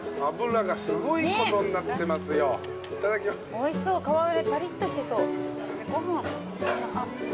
おいしそうパリッとしてそう。